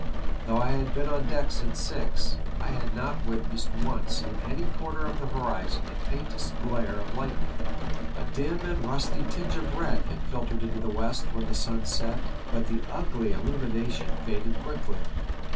Though I had been on deck since six, I had not witnessed once in any quarter of the PICTURES AT SEA. 61 horizon the faintest glare of lightning. A dim and rnsty tinge of red had filtered into the west when the sun set ; but the ugly illumination faded quickly.